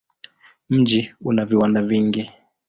Mji una viwanda vingi.